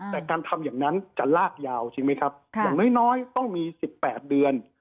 แต่การทำอย่างนั้นจะลากยาวอย่างน้อยต้องมี๑๘เดือน